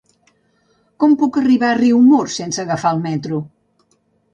Com puc arribar a Riumors sense agafar el metro?